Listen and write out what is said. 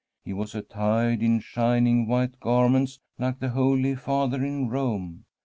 He was attired in shining white garments like the Holy Father in Rome.